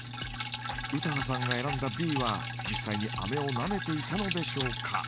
詩羽さんが選んだＢは実際にあめをなめていたのでしょうか？